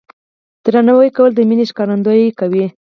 درناوی کول د مینې ښکارندویي کوي.